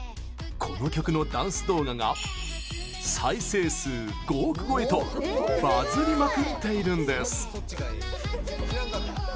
この曲のダンス動画が再生数５億超えとバズりまくっているんです！